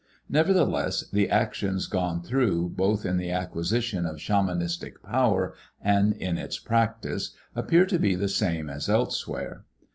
Nevertheless the actions gone through both in the acquisition of shamanistic power and in its practice appear to be the same as elsewhere.